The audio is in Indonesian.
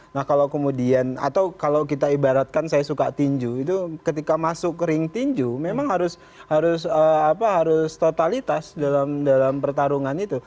nah kalau kemudian atau kalau kita ibaratkan saya suka tinju itu ketika masuk ring tinju memang harus totalitas dalam pertarungan itu